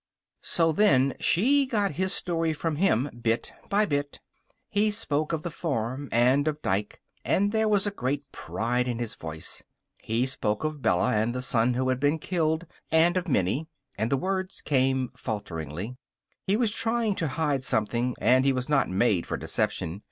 So then she got his story from him bit by bit. He spoke of the farm and of Dike, and there was a great pride in his voice. He spoke of Bella, and the son who had been killed, and of Minnie. And the words came falteringly. He was trying to hide something, and he was not made for deception.